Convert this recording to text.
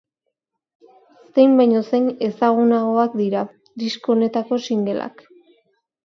Zein baino zein ezagunagoak dira, disko honetako singleak.